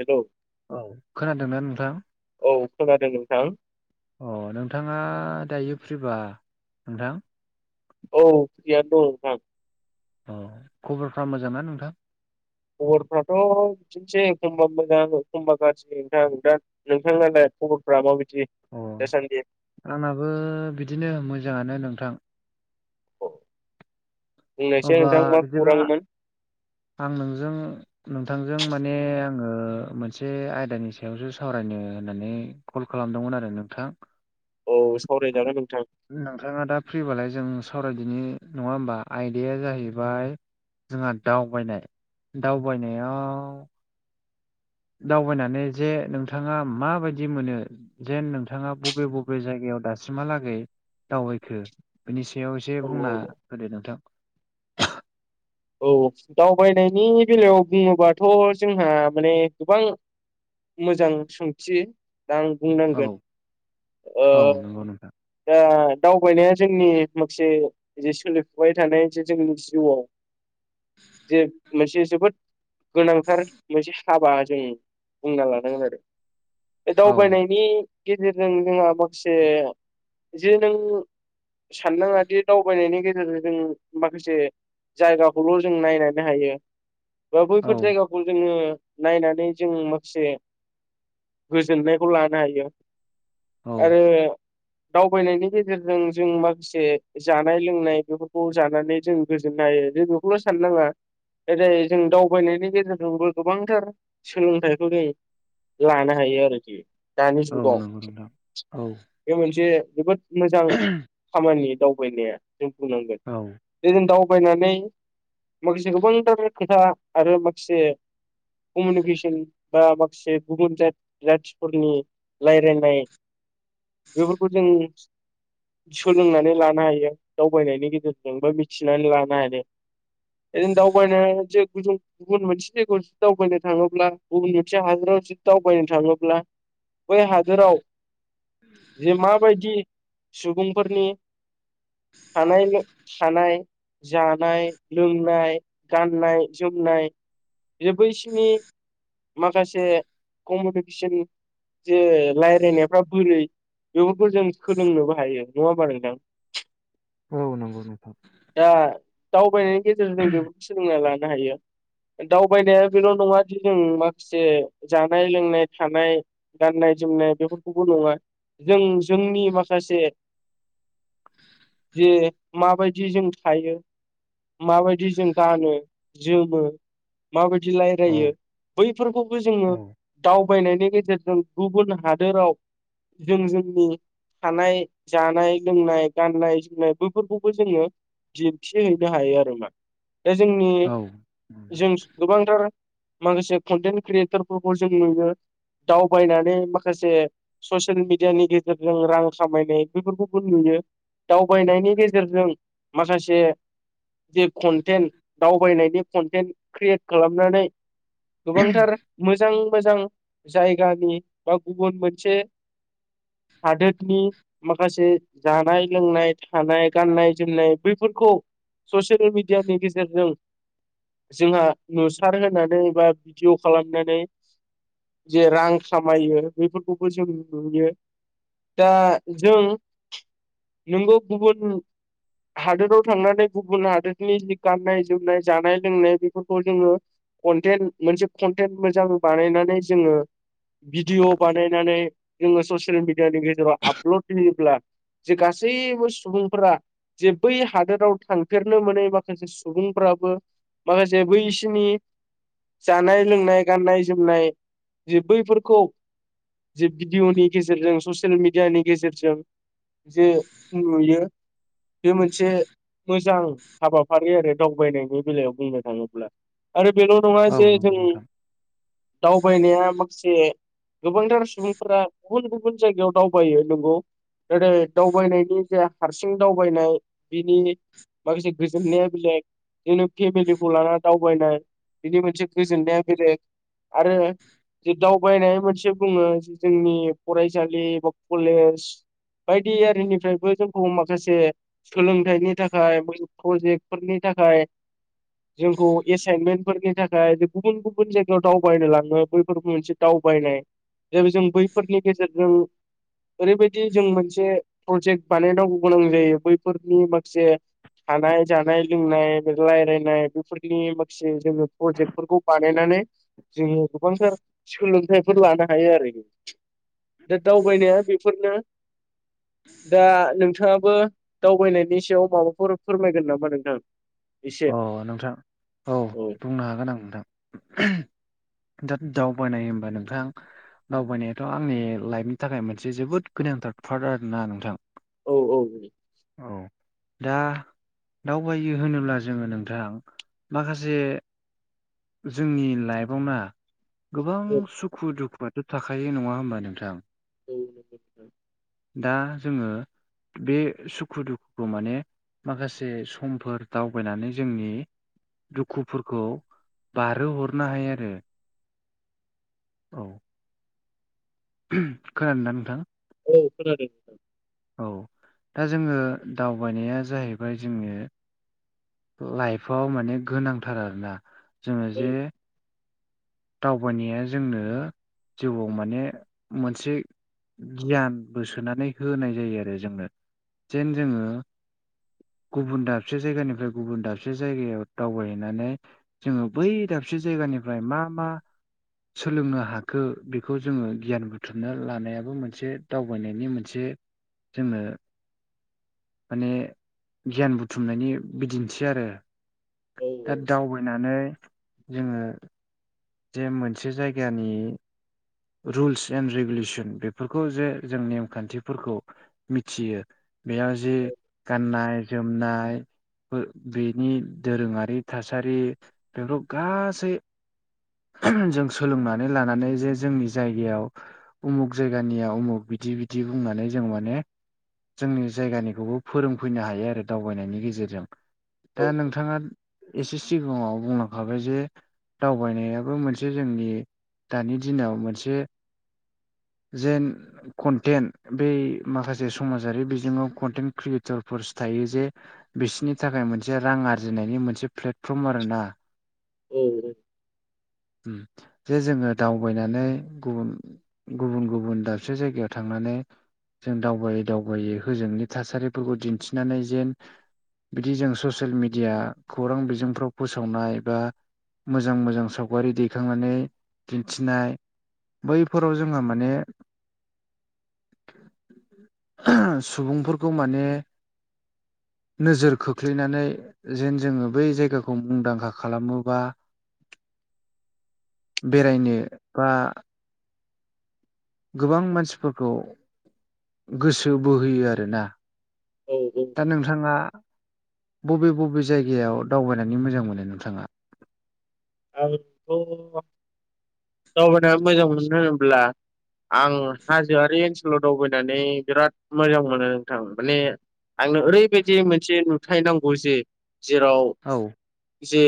हेल' औ खोनादोंना नोंथां। औ खोनादों नों सां अ नोंथाङा दायो फ्रिबा नोंथां। औ सय अ खबरफ्रा मोजां ना नोंथां। खबरफ्राथ'। बिाबननोै एखमबा मोजां एखमबा गाज्रि नोंथां दा नोंथांनालाय खबरफ माबायदि अ दसदि आंनाबो बिदिनो मोजाङानो नोंथां। बुंनायसै अब्ला नोंथां मा बिदिबा खौरांमोन आं नोंजों। नोंथांजों माने आङो मोनसे आयदानि सायावसो सावरायनो होननानै। कल खालामदोंमोन आरो नोंथां। औ सावरायदों ना नोंथां। नोंथाङा दा फ्रिबालाय जों सावरायदिनाय नङा होमबा? आयदाया जाहैबाय जोंहा दावबायनाय दावबायनायाव। दावबायनानै जे नोंथाङा माबायदि मोनो। जेन नोंथाङा बबे बबे जायगायाव दासिमहालागै दावबायखो। बिनि सायाव एसे औ बुंना औ होदो नोंथां। औ दावबायनायनि बेलायाव बुङोबाथ' जोंहा माने गोबां। मोजां सोंथि आं औ बुंनांगोन। औ नंगौ नोंथां दा दावबायनाया जोंनि माखसे जे सोलिफुबाय थानाय जे जोंनि जिउआव। [inaudible] जे मोनसे जोबोद गोनांथार मोनसे हाबा जों बुंना लानांगोन आरो। बे दा औ उफाय नायनि गेजेरजों जोंहा माखासे जा नों साननाङादि दावबायनायनि गेजेरजों जों माखासे। जायगाखौल' जों नायनानै हायो बा औ बैफोर जायगाखौ। जोङो नायनानै जों माखासे गोजोननायखौ लानो हायो। औ आरो दावबायनायनि गेजेरजों जों माखासे जानाय लोंनाय बेफोरखौ जानानै जोंङो। जों नायो जों बेखौल' साननो नङा। जरै जों दावबायनायनि गेजेरजोंबो गोबांथार सोलोंथाइखौ जायो। लानो हायो आरोखि दानि औ जुगाव। नंगौ नोंथां औ बे मोनसे जोबोद मोजां खामानि दावबायनाया जों बुंनांगोन। औ। जदिनो दावबायनानै माखासे गोबांथार खोथा आरो माखासे। कमिउनिकेसन बा माखासे गुबुन जा जाथिफोरनि। रायज्लायनाय बेफोरखौ जों सोलोंनानै लानो हायो दावबायनायनि गेजेरजों बा मिथिनानै लानो हायो। एदिन दाउबायाय न गुबुन मोनसे जायगायाव जुदि दावबायनो थाङोब्ला गुबुन मोनसे हादराव जुदि दावबायनो थाङोब्ला। बेय हाजाव जे माबायदि सुबुंफोरनि हानाय हानाय। जानाय लोंनाय गाननाय-जोमनाय बे बैसिनि माखासे कमिउनिकेसन जे रायज्लायनायफ्रा बोरै बेफोरखौ जों सोलोंनोबो हायो नङा होमबा नोंथां औ नंगौ नोंथां दा दावबायनायनि गेजेरजों बेफोरखौ सोलोंना लानो हायो दावबायनाया बेल' नङा दि जों माखासे जानाय लोंनाय थानाय गाननाय जोमनाय बेफोरखौबो नङा जों जोंनि माखासे जे माबायदि जों थायो माबायदि जों गानो जोमो माबायदि औ रायलायो बैफोरखौबो जोङो औ दावबायनायनि गेजेरजों गुबुन हादोराव जों जोंनि थानाय जानाय लोंनाय गाननाय जोमनाय बैफोरखौबो जोङो दिन्थि हैैनो हायो आरो मा दा जोंनि औ जों गोबांथार माखासे कन्टेन्ट क्रियेटरफोरखौ जों नुयो दावबायनानै माखासे ससियेल मिडियानि गेजेरजों रां खामायनाय बेफोरखौबो नुयो दावबायनायनि गेजेरजों माखासे जे कनटेन्ट दावबायनायनि कन्टेन्ट क्रियेट खालामनानै गोबांथार मोजां मोजां जायगानि बा गुबुन मोनसे हादोरनि माखासे जानाय लोंनाय थानाय गाननाय जोमनाय बैफोरखौ ससियेल मिडियानि गेजेरजों जोंहा नुसार होनानै बा भिडिअ' खालामनानै जे रां खामायो बेफोरखौबो जों नुयो दा जों नोंगौ गुबुन हादोराव थांनानै गुबुन हादोरनि जि गाननाय जोमनाय जानाय लोंनाय बेफोरखौ जोङो कनटेन्ट मोनसे कनटेन्ट मोजां बानायनानै जोङो भिडिय' बानायनानै जोङो ससियेल मिडियानि गेजेराव आपलड होयोब्ला जे गासैबो सुबुंफोरा जे बै हादोराव थांफेरनो मोनै माखासे सुबुंफ्राबो माखासे बैसिनि जानाय लोंनाय गाननाय जोमनाय जे बैफोरखौ जे भिडिअ'नि गेजेरजों ससियेल मिडियानि गेजेरजों जे नुयो बे मोनसे मोजां हाबाफारि आरो दावबायनायनि बेलायाव बुंनो थाङोब्ला आरो बेल' नङा औ जे नंगौ जों नोंथां दावबायनाया माखासे गोबांथार सुबुंफोरा गुबुन गुबुन जायगायाव दावबायो नंगौ ओरै दावबायनायनि जे हारसिं दावबायनाय बिनि माखासे गोजोननाया बेलेग दिनो फेमिलिखौ लानानानै दावबायनाय बिनि मोनसे गोजोननाया बेलेग आरो जे दावबायनाय मोनसे बुङो जोंनि फरायसालि बा कलेज बायदि इयारिनिफ्रायबो जोंखौ माख खासे सोलोंथाइनि थाखाय प्रजेक्ट फोरनि थाखाय जोंखौ एसाइनमेन्ट फोरनि थाखाय गुबुन गुबुन जायगायाव दावबायनो लाङो बैफोरबो मोनसे दावबायनाय जों बैफोरनि गेजेरजों ओरैबायदि जों मोनसे प्रजेक्ट बानायनांगौ गोनां जायो बैफोरनि माखासे हानाय जानाय लोंनाय बे रायलायनाय बेफोरनि माखासे जोङो प्रजेक्ट फोरखौ बानायनानै जोङो गोबांथार सोलोंथाइफोर लानो हायो आरोखि दा दावबायनाया बेफोरनो दा नों थाङाबो दावबायनायनि सायाव माबाफोर फोरमायगोन नामा नोंथां एसे अ नोंथां औ बुंनो हागोन आं नोंथां दा दावबायनाय होमबा नोंथां दावबायनायाथ आंनि लाइफनि थाखाय मोनसे जोबोद गोनांथार पार्ट आरोना नोंथां औ औ औ दा दावबायो होनोब्ला जोंङो नोंथां माखासे जोंनि लाइफआवना गोबां सुखु दुखुआथ थाख नंङा होमबा नोंथां औ नंगौ नोंथां दा जोंङो बे सुखु दुखुखौ माने माखासे समफोर दाउ दावबायनानै जोंनि दुखुफोरखौ बारहो हरनो हायो आरो औ खोनानोदा नोंथां औ खोनादों औ दा जोंङो दावबायनाया जाहैबाय जोंङो लाइफआव माने गोनांथार आरोना जोंङो जे दावबायनाया जोंनो जिउआव माने मोनसे गियानबो सोनानै होनाय जायो आरो जोंनो जेन जोङो गुबुन दाबसे जायगानिफ्राय गुबुन दाबसे जायगायाव दावबायहैनानै जोङो बै दाबसे जायगानिफ्राय मा मा सोलोंनो हाखो बेखौ जोङो गियान बुथुमनो लानायाबो मोनसे दावबायनायनि मोनसे जोङो माने गियान बुथुमनायनि बिदिन्थि आरो औ दा दावबायनानै जोंङो जे मोनसे जायगानि रुल्स एन्ड रेगुलेसन बेफोरखौ जे जों नेमखान्थिफोरखौ मिथियो बेया जे गाननाय जोमनाय बेनि दोरोंङारि थासारि बेफोराव गासै जों सोलोंनानै लानानै जे जोंनि जायगायाव उमुग जायगानिया उमुग बिदि बिदि बुंनानै जों माने जोंनि जायगानिखौबो फोरोंफैनो हायो आरो दावबायनायनि गेजेरजों औ दा नोंथाङा एसे सिगाङाव बुंलांखाबायजे दावबायनायाबो मोनसे जोंनि दानि दिनाव मोनसे जेन कन्टेन्ट बै माखासे समाजारि बिजोङाव कन्टेन्ट क्रियेटरफोरस थायोजे बिसनि थाखाय मोनसे रां आरजिनायनि मोनसे प्लेटफर्म आरोना औ नंगौ उम जे जोङो दावबायनानै गुबुन गुबुन गुबुन दाबसे जायगायाव थांनानै जों दावबायै दावबायै होजोंनि थासारिफोरखौ दिन्थिनानै जेन बिदि जों ससियेल मिडिया खौरां बिजोंफ्राव फोसावनाय बा मोजां मोजां साव गारि दैखांनानै दिन्थिनाय बैफोराव जोंहा माने सुबुंफोरखौ माने नोजोर खोख्लैनानै जेन जोङो बै जायगाखौ मुंदांखा खालामो बा बेरायनो बा गोबां मानसिफोरखौ गोसो बोहोयो आरोना औ जों दा नोंथाङा बबे बबे जायगायाव दावबायनानै मोजां मोनो नोंथाङा आंथ दावबायनानै मोजां मोनो होनोब्ला आं हाजोआरि ओनसोलाव दावबायनानै बिराद मोजां मोनो नोंथां माने आंनो ओरैबायदि मोनसे नुथाय नांगौ जे जेराव। औ। जे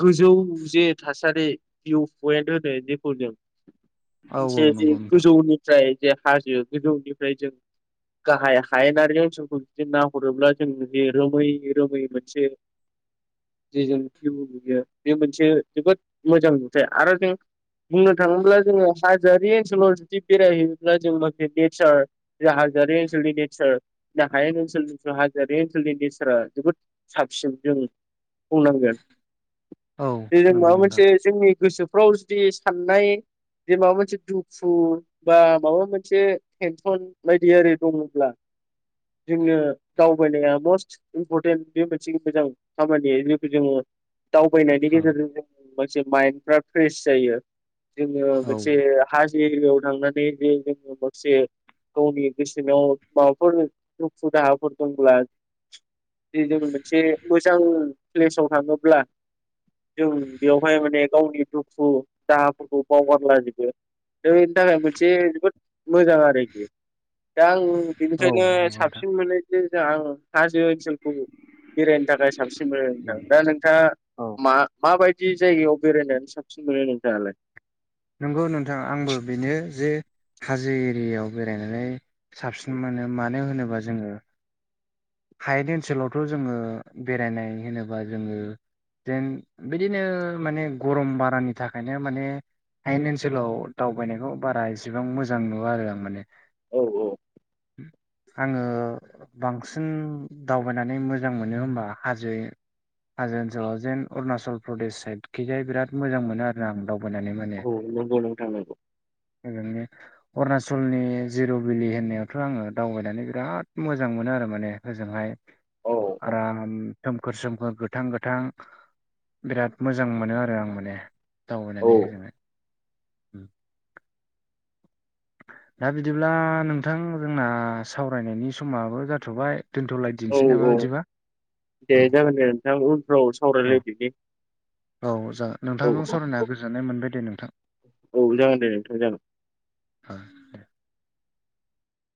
गोजौ ज थासारि भिउ पइन्ट होनो जेखौ जों औ मोनसे औ ज नंगौ नोंथां गोजौनि फफ्राय जे हाजो गोजौनिफ्राय जों गाहाय हायेनारि ओनसोलखौ जुदि नाहरोब्ला जों जि रोमै रोमै मोनसे। [inaudible] जे जों भउ लुैयो बे मोनसे जोबोद मोजां नुथाय आरो जों बुंनो थाङोब्ला जोङो हाजोआरि ओनसोलाव जुदि बेरायहैयोब्ला जों माखे नेचार। जों हाजारि ओनसोलनि ने हाय ओनसोलनि। हाजो बे ओनसोलनि नेचारा जोबोद साबसिन जों बुंनांगोन औ जे जों नंगौ माबा नोंथां मोनसे जोंनि गोसोफ्राव जुदि साननाय जे माबा मोनसे दुखु बा माबा मोनसे टेनसन बायदि आररि दङब्ला। जोंङनो दावबायनाया मस्ट इम्परटेन्ट बे मोनसे मोजां खामानि ज जोङो दावबायनाय। औ गेजेरजों मोन माइ फ्रेस ज जो औ मोनसे। [unintelligible] दनि द माबास द हा फरथ ग्ला ज जों मोनसे मोजां प्लेसाव थाङोब्ला। जों बेवहाय माने गावनि दुखु दाहाफोरखौ बावगारलाजोबो द बेनि थाखाय मोनसे जोबोद मोजां आरोखि दा आं बेनिखायनो नंगौ नोंथां साबसिन मोनो। आं हाजो ओनसोलखौ बेरायनो थाखाय साबसिन मोनो नोंथां दा नोंथाङा। औ। माबायदि जायगायाव बेरायनानै साबसिन मोनो नोंथाङालाय नंगौ नोंथां आंबो बेनो जे हाजो एरियाव बेरायनानै। साबसिन मोनो मानो होनोबा जोङो। हायारि ओनसोलावथ' जोङो बेरायनाय होनोबा जोङो। जेन बिदिनो माने गरम बारानि थाखायनो माने आंनि ओनसोलाव दावबायनायखौ बारा एसेबां मोजां नुवा आरो आं माने। औ औ। आङो बांसिन जों दावबायनानै मोजां मोनो होमबा हाजो। हनस जेन अरुणाचल प्रदेश साइदखिजाय बिराद मोजां मोनो आरो आं दावबायनानै। औ नगल थौ। बिओ। अरुणाचलनि जिर' बिलि होननायावथ' आङो दावबायनानै बिराद मोजां मोनो आरो माने। फोरजोंहाय औ आराम। सोमखोर सोमखोर गोथां गोथां बिराद मोजां मोनो आरो आं माने औ दावबायनानै होगोन। दा बिदिब्ला नोंथां जोंना सावरायनायनि समाबो जाथ'बाय दोन्थ'लाय। औ औ दे जागोन दे नोंथां उनफ्राव औ सावरायलायदनि। औ जा नोंथांजों औ सरायनाया गोजोननाय मोनबाय दे नोंथां। औ जागोन दे नोंथां जागोन ओ दे